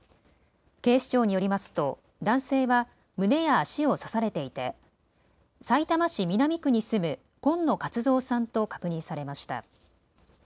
警視庁によりますと男性は胸や足を刺されていてさいたま市南区に住む今野勝蔵さんと確認されました。